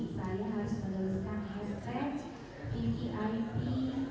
kau itu sebenarnya tidak paham ya